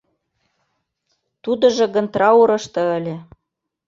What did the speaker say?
Тудыжо гын траурышто ыле.